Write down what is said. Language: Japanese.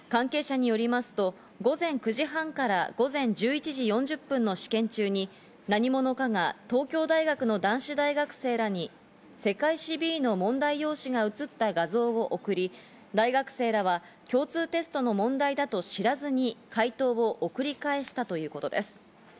関係者によりますと午前９時半から午前１１時４０分の試験中に何者かが東京大学の男子大学生らに世界史Ｂの問題用紙が写った画像を送り、大学生らは共通テストの問題だと知らずに解答を繰り返したということです。